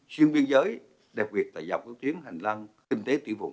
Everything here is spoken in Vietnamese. xuyên biên giới đẹp việc tại dọc các tuyến hành lang kinh tế tỉ vùng